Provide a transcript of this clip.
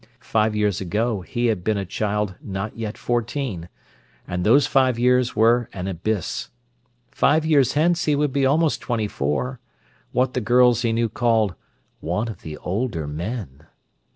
Five years ago he had been a child not yet fourteen; and those five years were an abyss. Five years hence he would be almost twenty four; what the girls he knew called "one of the older men."